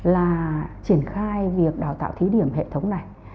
là triển khai việc đào tạo thí điểm hệ thống này